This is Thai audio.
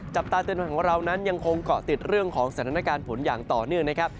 จับตาเตือนภัยของเรานั้นยังคงเกาะติดเรื่องของสถานการณ์ฝนอย่างต่อเนื่องนะครับ